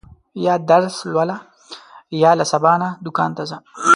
یا درس لوله، یا له سبا دوکان ته ځه.